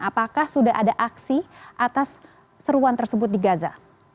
apakah sudah ada aksi atas seruan tersebut di gaza